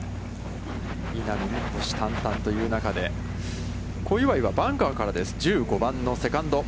稲見も、虎視たんたんという中で、小祝は、バンカーからです、１５番のセカンド。